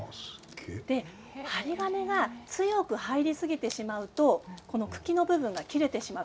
針金が強く入れすぎてしまうと茎の部分が切れてしまう。